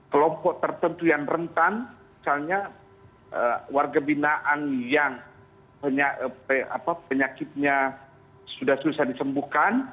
kelompok tertentu yang rentan misalnya warga binaan yang penyakitnya sudah susah disembuhkan